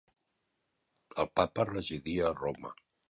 El Papa residia a Roma.